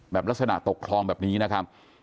ลักษณะตกคลองแบบนี้นะครับ